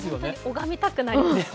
拝みたくなります。